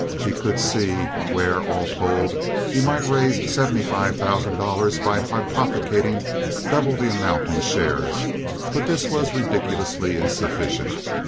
He could see where, all told, he might raise seventy five thousand dollars by hypothecating double the amount in shares; but this was ridiculously insufficient.